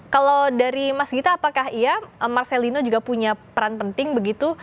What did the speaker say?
kalau dari mas gita apakah iya marcelino juga punya peran penting begitu